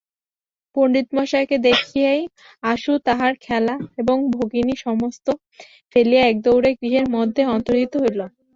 পণ্ডিতমশায়কে দেখিয়াই আশু তাহার খেলা এবং ভগিনী সমস্ত ফেলিয়া একদৌড়ে গৃহের মধ্যে অন্তর্হিত হইল।